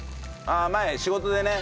ああ前仕事でね。